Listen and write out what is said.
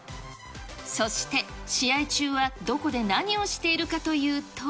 そして、試合中はどこで何をしているかというと。